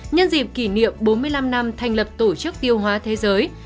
nhân dịp kỷ niệm bốn mươi năm năm thành lập tổ chức tiêu hóa thế giới